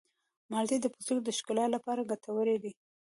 مالټې د پوستکي د ښکلا لپاره ګټورې دي.